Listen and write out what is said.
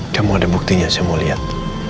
kamu ada buktinya saya mau lihat